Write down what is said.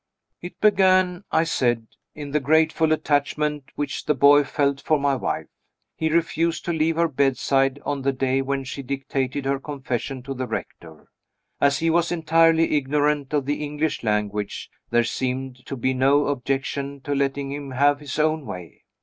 "It began," I said, "in the grateful attachment which the boy felt for my wife. He refused to leave her bedside on the day when she dictated her confession to the Rector. As he was entirely ignorant of the English language, there seemed to be no objection to letting him have his own way.